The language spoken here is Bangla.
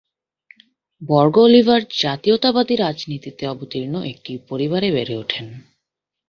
বর্গ অলিভার জাতীয়তাবাদী রাজনীতিতে অবতীর্ণ একটি পরিবারে বেড়ে ওঠেন।